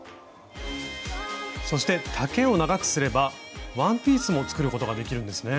そして丈を長くすればワンピースも作ることができるんですね。